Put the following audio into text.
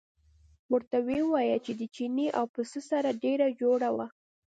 ورته ویې ویل د چیني او پسه سره ډېره جوړه وه.